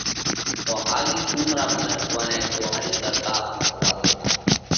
تو ۿاڳي قُوم را منک اُوئا نئہ ۮوھاري ڪرتا ان سزا ۮيتا۔